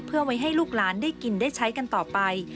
เพื่อไว้ให้ลูกหลานได้กินได้ใช้กันต่อไป